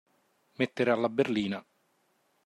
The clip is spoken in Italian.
Mettere alla berlina.